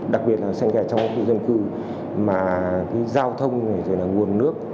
đặc biệt là sen kẹt trong khu dân cư mà giao thông nguồn nước